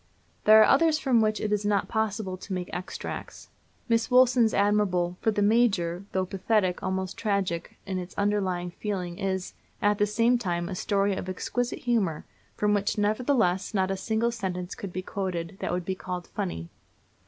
There are others from which it is not possible to make extracts. Miss Woolson's admirable "For the Major," though pathetic, almost tragic, in its underlying feeling, is, at the same time, a story of exquisite humor, from which, nevertheless, not a single sentence could be quoted that would be called "funny."